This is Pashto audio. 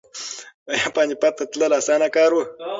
ایا پاني پت ته تلل اسانه کار و؟